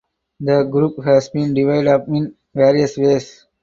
The group has been divided up in various ways.